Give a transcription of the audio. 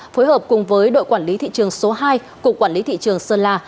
phối hợp cùng với đội quản lý thị trường số hai cục quản lý thị trường sơn la